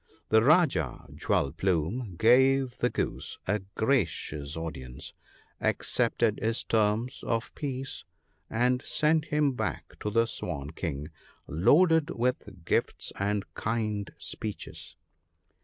The Rajah, Jewel plume, gave the Goose a gracious audience, accepted his terms of Peace, and sent him back to the Swan King, loaded with gifts and kind speeches.